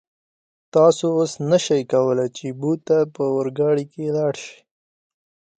تاسو اوس نشئ کولای چې بو ته په اورګاډي کې لاړ شئ.